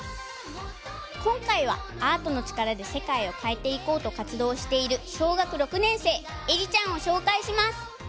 こんかいはアートのちからでせかいをかえていこうとかつどうしているしょうがく６ねんせいえりちゃんをしょうかいします！